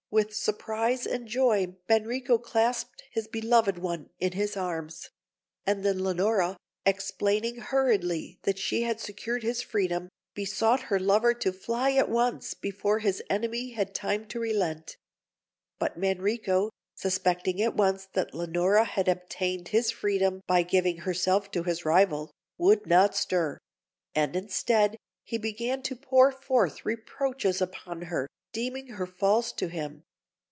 With surprise and joy, Manrico clasped his beloved one in his arms; and then Leonora, explaining hurriedly that she had secured his freedom, besought her lover to fly at once, before his enemy had time to relent. But Manrico, suspecting at once that Leonora had obtained his freedom by giving herself to his rival, would not stir; and instead, he began to pour forth reproaches upon her, deeming her false to him.